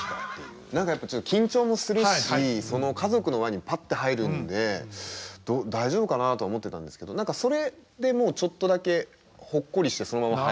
何かやっぱ緊張もするしその家族の輪にパッて入るんで大丈夫かなと思ってたんですけど何かそれでちょっとだけほっこりしてそのまま入れるというか。